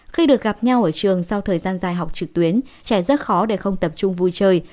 khi được gặp nhau ở trường sau thời gian dài học trực tuyến trẻ rất khó để không tập trung vui chơi